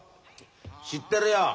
知ってるよ。